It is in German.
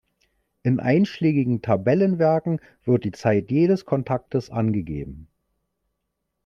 In einschlägigen Tabellenwerken wird die Zeit jedes Kontaktes angegeben.